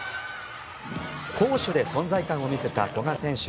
攻守で存在感を見せた古賀選手。